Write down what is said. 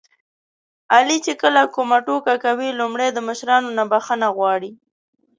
علي چې کله کومه ټوکه کوي لومړی له مشرانو نه بښنه غواړي.